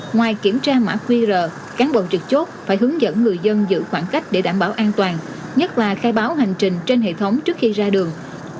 ngoài kiểm tra mã qr cán bộ trực chốt phải hướng dẫn người dân giữ khoảng cách để đảm bảo an toàn nhất là khai báo hành trình trên hệ thống trước khi ra đường